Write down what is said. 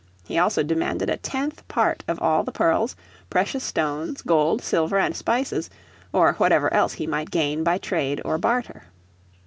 He also demanded a tenth part of all the pearls, precious stones, gold, silver and spices, or whatever else he might gain by trade or barter.